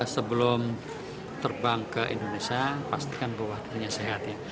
sebelum terbang ke indonesia pastikan bahwa dirinya sehat ya